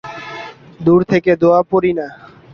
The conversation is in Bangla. দূর থেকে দোয়া পড়ি না।